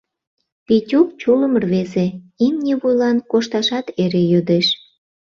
Петю — чулым рвезе, имне вуйлан кошташат эре йодеш.